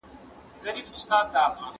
په ټولۍ کي د سیالانو موږ ملګري د کاروان کې